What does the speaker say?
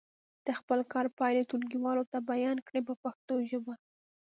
د خپل کار پایلې ټولګیوالو ته بیان کړئ په پښتو ژبه.